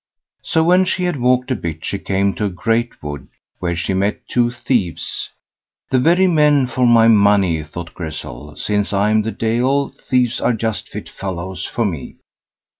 So, when she had walked a bit she came to a great wood, where she met two thieves. "The very men for my money, thought Grizzel, "since I am the Deil, thieves are just fit fellows for me."